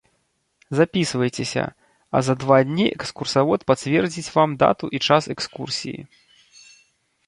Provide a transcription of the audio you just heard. Запісвайцеся, а за два дні экскурсавод пацвердзіць вам дату і час экскурсіі.